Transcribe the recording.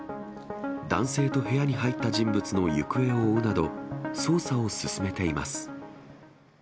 男性と部屋に入った人物の行方を追うなど、捜査を進めています。